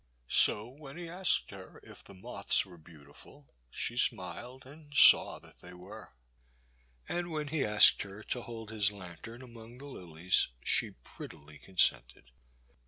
So when he asked her if the moths were beautiful, she smiled and saw that they were ; and when he asked her to hold his lantern among the lilies, she prettily consented.